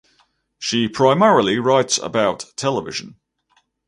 She primarily writes about television.